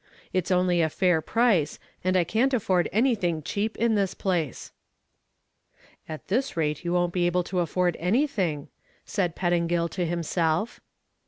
It's only a fair price, and I can't afford anything cheap in this place." "At this rate you won't be able to afford anything," said Pettingill to himself.